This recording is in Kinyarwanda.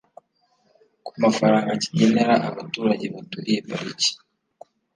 ku mafaranga kigenera abaturage baturiye pariki